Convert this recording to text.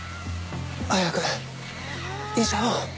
早く医者を。